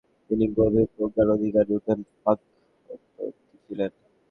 তিনি গভীর প্রজ্ঞার অধিকারী উত্তম ফিকাহবিদ ছিলেন।